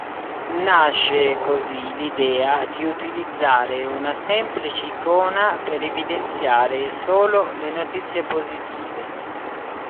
Nasce così l'idea di utilizzare una semplice icona per evidenziare solo le notizie positive.